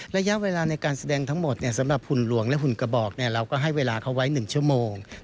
ระยะเวลาในการแสดงทั้งหมดสำหรับหุ่นหลวงและหุ่นกระบอกเราก็ให้เวลาเขาไว้๑ชั่วโมง